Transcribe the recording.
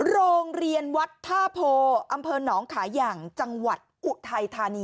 โรงเรียนวัดท่าโพอำเภอหนองขายอย่างจังหวัดอุทัยธานี